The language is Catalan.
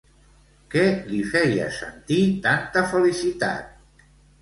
Què li feia sentir tanta felicitat?